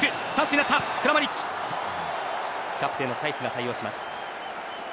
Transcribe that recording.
キャプテンのサイスが対応します。